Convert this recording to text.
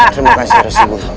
terima kasih rizky